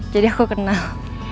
jadi aku kenal